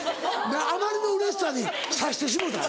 あまりのうれしさに指してしもうた。